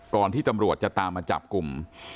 ที่ตำรวจจะตามมาจับกลุ่ม